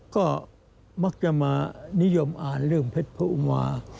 ก็มักจะมานิยมอ่านเรื่องเพชรพระอุมา